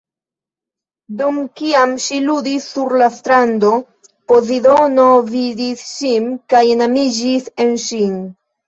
Dum kiam ŝi ludis sur la strando, Pozidono vidis ŝin, kaj enamiĝis en ŝin.